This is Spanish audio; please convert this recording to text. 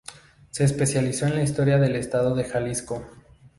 Se especializó en la historia del estado de Jalisco.